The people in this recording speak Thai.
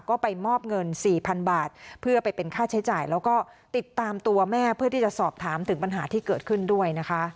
ก็ไปมอบเงินสี่พันบาทเพื่อไปเป็นค่าใช้จ่ายแล้วก็ติดตามตัวแม่เพื่อที่จะสอบถามถึงปัญหาที่เกิดขึ้นด้วยนะคะ